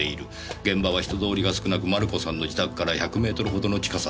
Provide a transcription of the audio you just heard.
「現場は人通りが少なくマルコさんの自宅から１００メートルほどの近さだった」